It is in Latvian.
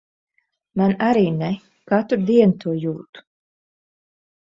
Man arī ne. Katru dienu to jūtu.